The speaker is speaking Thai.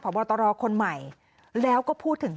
บอตรคนใหม่แล้วก็พูดถึง